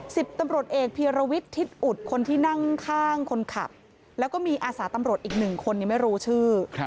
สิบตำรวจเอกพีรวิทย์ทิศอุดคนที่นั่งข้างคนขับแล้วก็มีอาสาตำรวจอีกหนึ่งคนยังไม่รู้ชื่อ